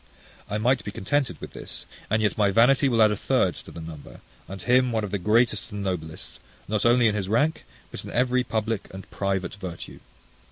I might be contented with this, and yet my vanity will add a third to the number; and him one of the greatest and noblest, not only in his rank, but in every public and private virtue.